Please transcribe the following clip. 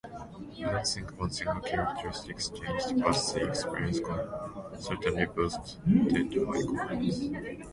I don't think one single characteristic changed, but the experience certainly boosted my confidence.